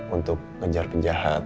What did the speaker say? untuk mengejar penjahat